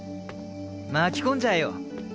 巻き込んじゃえよ。